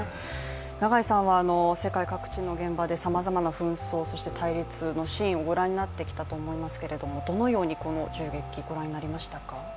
永井さんは世界各地の現場でさまざまな紛争、そして対立のシーンをご覧になってきたと思いますけども、どのようにこの銃撃ご覧になりましたか。